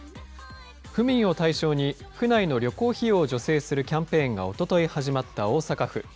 府民を対象に、府内の旅行費用を助成するキャンペーンがおととい始まった大阪府。